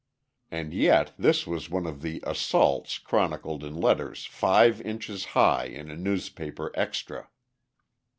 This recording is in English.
And yet this was one of the "assaults" chronicled in letters five inches high in a newspaper extra.